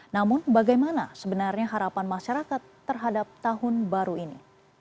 namun bagaimana sebenarnya harapan masyarakat terhadap tahun baru ini